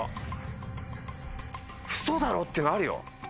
ウソだろ？ってのあるよ。